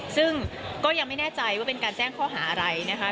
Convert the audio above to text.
ซึ่งก็ยังไม่แน่ใจว่าเป็นการแจ้งข้อหาอะไรนะคะ